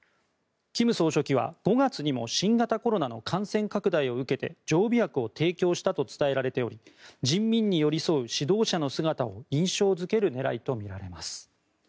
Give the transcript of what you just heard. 金総書記は５月にも新型コロナの感染拡大を受けて常備薬を提供したと伝えられており人民に寄り添う指導者の姿を印象付ける狙いとみられます。